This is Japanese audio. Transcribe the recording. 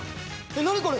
えっ何これ？